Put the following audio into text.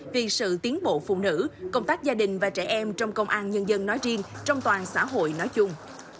vì sự tiến bộ phụ nữ công tác gia đình và trẻ em trong công an nhân dân nói riêng trong toàn xã hội nói chung